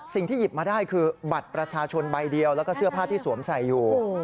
สิ่งที่หยิบมาได้คือบัตรประชาชนใบเดียวแล้วก็เสื้อผ้าที่สวมใส่อยู่